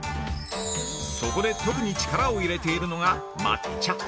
そこで特に力を入れているのが「抹茶」